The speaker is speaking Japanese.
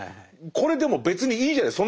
これでも別にいいじゃない。